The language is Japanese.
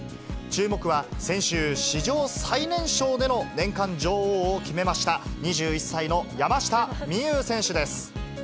注目は、先週、史上最年少での年間女王を決めました、２１歳の山下美夢有選手です。